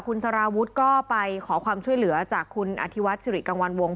คุณสารวุฒิก็ไปขอความช่วยเหลือจากคุณอธิวัฒนสิริกังวัลวง